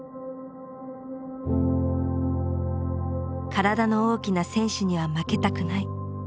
体の大きな選手には負けたくない。